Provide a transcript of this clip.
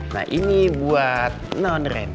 nah ini buat nonrena